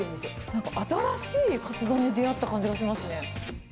なんか、新しいかつ丼に出会った感じがしますね。